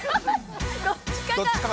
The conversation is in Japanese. どっちかが。